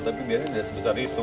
tapi biasanya tidak sebesar itu